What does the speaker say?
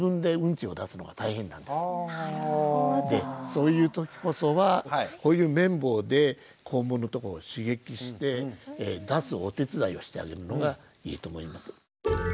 そういう時こそはこういう綿棒で肛門のところを刺激して出すお手伝いをしてあげるのがいいと思います。